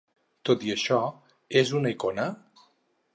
Tot i això, és una icona?